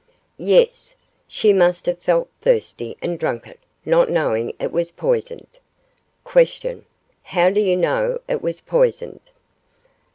Yes. She must have felt thirsty and drank it, not knowing it was poisoned. Q. How do you know it was poisoned?